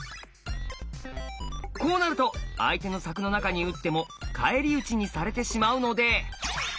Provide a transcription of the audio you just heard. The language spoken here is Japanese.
こうなると相手の柵の中に打っても返り討ちにされてしまうので。